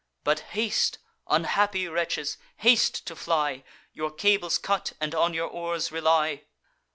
But haste, unhappy wretches, haste to fly! Your cables cut, and on your oars rely!